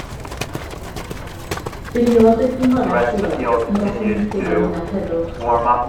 Bu'n aelod o gynghorau lleol ac yn gwasanaethu fel ynad heddwch.